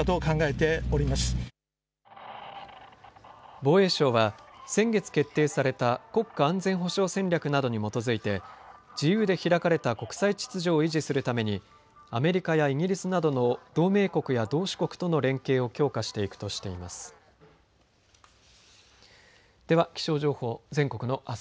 防衛省は先月決定された国家安全保障戦略などに基づいて自由で開かれた国際秩序を維持するためにアメリカやイギリスなどの同盟国や同志国との連携を強化していくとしています。